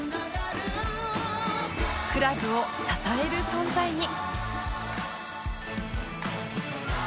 クラブを支える存在に